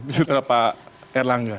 setelah pak erlangga